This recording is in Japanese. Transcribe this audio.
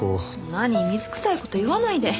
何水くさい事言わないで。